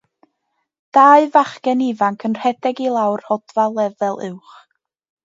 Dau fachgen ifanc yn rhedeg i lawr rhodfa lefel uwch.